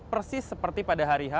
persis seperti pada hari h